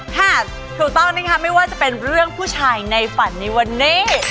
ค่ะถูกต้องนะคะไม่ว่าจะเป็นเรื่องผู้ชายในฝันในวันนี้